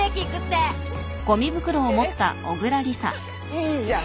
いいじゃん。